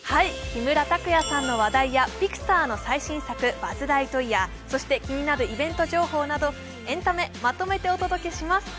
木村拓哉さんの話題やピクサーの最新作「バズ・ライトイヤー」、そして気になるイベント情報などエンタメまとめてお届けします。